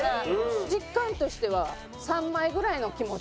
実感としては３枚ぐらいの気持ちの。